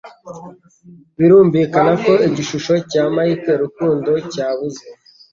Birumvikana ko igishusho cya Michael Rukundo cyabuze